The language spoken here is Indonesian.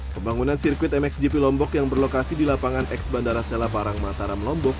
pembangunan sirkuit mxgp lombok yang berlokasi di lapangan ex bandara sela parang mataram lombok